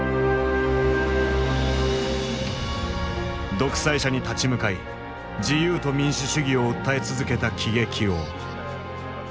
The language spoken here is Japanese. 独裁者に立ち向かい自由と民主主義を訴え続けた喜劇王。